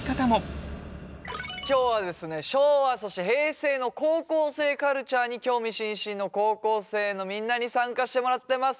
今日はですね昭和そして平成の高校生カルチャーに興味津々の高校生のみんなに参加してもらってます。